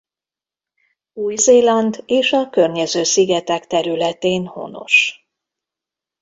Új-Zéland és a környező szigetek területén honos.